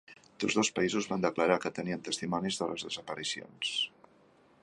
Tots dos països van declarar que tenien testimonis de les desaparicions.